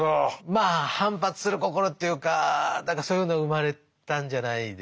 まあ反発する心というか何かそういうのが生まれたんじゃないでしょうかね。